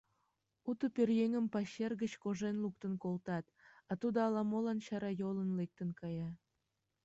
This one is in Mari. Уто пӧръеҥым пачер гыч кожен луктын колтат, а тудо ала-молан чарайолын лектын кая.